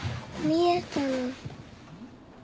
見えた？